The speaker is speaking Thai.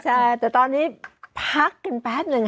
จะจากตอนนี้พักกันแป๊บนึง